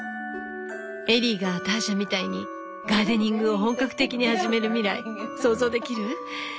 エリーがターシャみたいにガーデニングを本格的に始める未来想像できる？